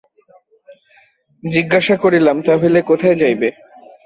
জিজ্ঞাসা করিলাম, তা হইলে কোথায় যাইবে?